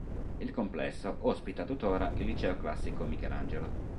Il complesso ospita tuttora il Liceo classico Michelangelo.